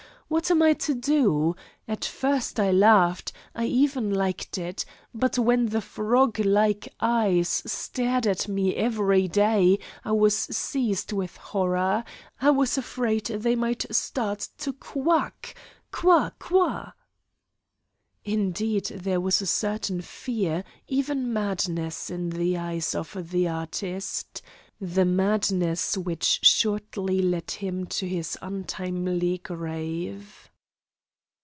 What am I to do? At first I laughed I even liked it but when the froglike eyes stared at me every day I was seized with horror. I was afraid they might start to quack qua qua!" Indeed there was a certain fear, even madness, in the eyes of the artist the madness which shortly led him to his untimely grave.